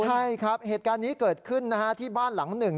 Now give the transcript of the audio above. ใช่ครับเหตุการณ์นี้เกิดขึ้นนะฮะที่บ้านหลังหนึ่ง